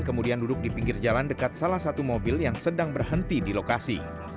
kemudian duduk di pinggir jalan dekat salah satu mobil yang sedang berhenti di lokasi